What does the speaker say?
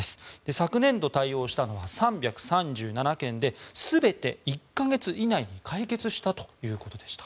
昨年度対応したのは３３７件で全て１か月以内に解決したということでした。